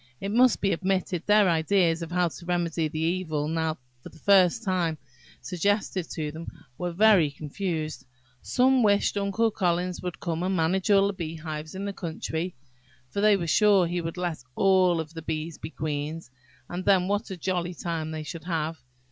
It must be admitted, their ideas of how to remedy the evil now for the first time suggested to them, were very confused. Some wished Uncle Collins would come and manage all the beehives in the country, for they were sure he would let all the bees be queens, and then what a jolly time they should have!